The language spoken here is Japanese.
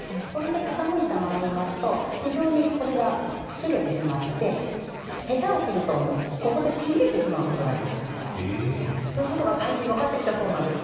傾いたままですと非常にすれてしまって下手をするとここでちぎれてしまうことがあります。ということが最近分かってきたそうです。